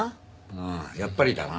うんやっぱりだな。